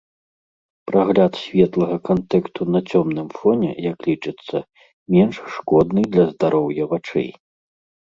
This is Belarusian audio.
Прагляд светлага кантэнту на цёмным фоне, як лічыцца, менш шкодны для здароўя вачэй.